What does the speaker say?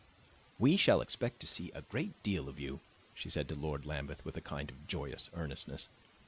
"We shall expect to see a great deal of you," she said to Lord Lambeth with a kind of joyous earnestness.